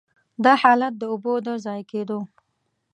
دا حالت د اوبو د ضایع کېدو.